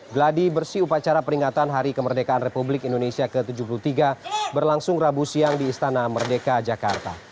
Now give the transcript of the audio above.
geladi bersih upacara peringatan hari kemerdekaan republik indonesia ke tujuh puluh tiga berlangsung rabu siang di istana merdeka jakarta